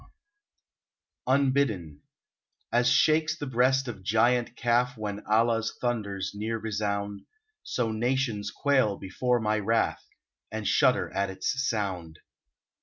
lOO UNBIDDEN A s shakes the breast of giant Kaf When Allah's thunders near resound, So nations quail before my wrath, And shudder at its sound.